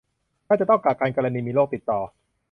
ถ้าจะต้องกักกันกรณีมีโรคติดต่อ